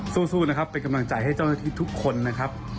สู้นะครับเป็นกำลังใจให้เจ้าหน้าที่ทุกคนนะครับ